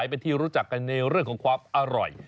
เป็นที่รู้จักกันในเรื่องของความอร่อย